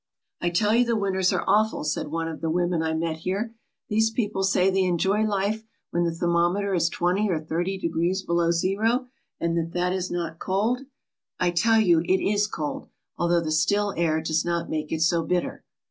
" I tell you the winters are awful/' said one of the wo men I met here. "These people say they enjoy life when the thermometer is twenty or thirty degrees below zero, and that it is not cold. I tell you it is cold, although the still air does not make it so bitter.